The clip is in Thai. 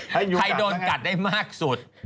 ใครโดนกัดได้มากสุด